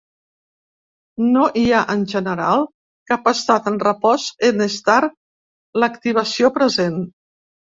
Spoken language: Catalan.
No hi ha, en general, cap estat en repòs en estar l'activació present.